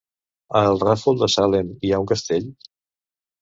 A el Ràfol de Salem hi ha un castell?